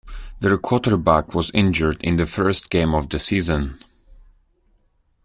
Their quarterback was injured in the first game of the season.